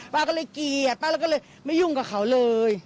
ป้าก็เลยเกลียดป้าแล้วก็เลยไม่ยุ่งกับเขาเลย